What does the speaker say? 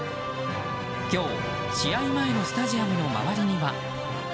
今日、試合前のスタジアムの周りには。